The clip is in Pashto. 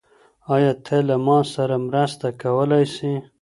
ايا ته له ما سره مرسته کولای سې؟